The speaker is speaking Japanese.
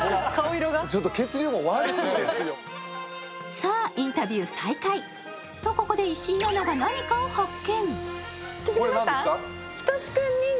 さぁ、インタビュー再開。とここで石井アナが何かを発見。